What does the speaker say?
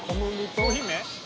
商品名？